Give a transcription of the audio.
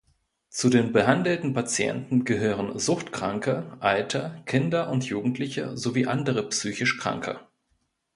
Zu den behandelten Patienten gehören Suchtkranke, Alte, Kinder und Jugendliche sowie andere psychisch Kranke.